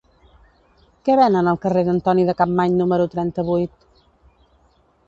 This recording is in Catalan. Què venen al carrer d'Antoni de Capmany número trenta-vuit?